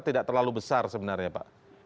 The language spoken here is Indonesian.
tidak terlalu besar sebenarnya pak